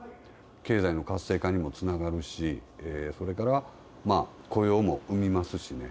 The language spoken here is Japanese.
経済の活性化にもつながるし、それから雇用も生みますしね。